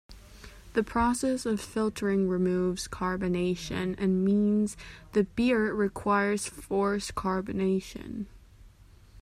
The process of filtering removes carbonation and means the beer requires force carbonation.